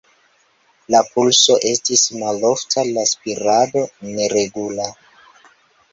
La pulso estis malofta, la spirado neregula.